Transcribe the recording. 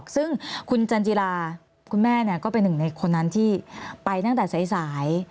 ซึ่งคุณจันจิลาคุณแม่ก็เป็นหนึ่งในคนนั้นที่ไปตั้งแต่สาย